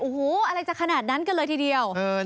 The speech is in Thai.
โอ้โหอะไรจะขนาดนั้นกันเลยทีเดียว